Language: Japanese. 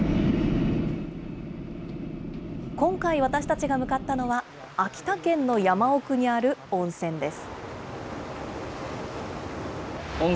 今回、私たちが向かったのは、秋田県の山奥にある温泉です。